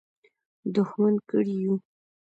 دښمن کړي یو.